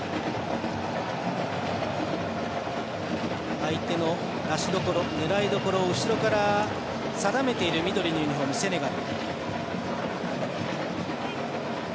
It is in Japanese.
相手の出しどころ、狙いどころを後ろから定めている緑のユニフォーム、セネガル。